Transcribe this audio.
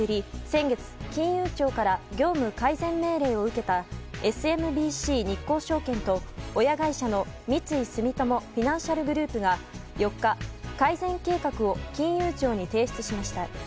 先月、金融庁から業務改善命令を受けたＳＭＢＣ日興証券と親会社の三井住友フィナンシャルグループが４日、改善計画を金融庁に提出しました。